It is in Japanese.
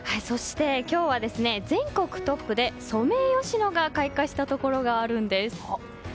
そして、今日は全国トップでソメイヨシノが開花したところがあるンです。